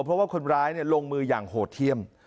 เพราะว่าคนร้ายลงมืออย่างโหดเยี่ยม